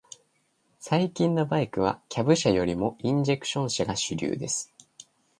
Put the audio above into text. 最近のバイクは、キャブ車よりもインジェクション車が主流です。